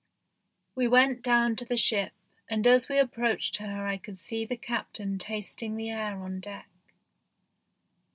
We went down to the ship, and as we approached her I could see the Captain tasting the air on deck.